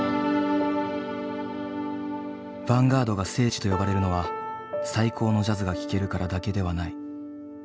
ヴァンガードが聖地と呼ばれるのは最高のジャズが聴けるからだけではない。